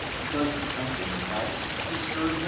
Does something else disturb him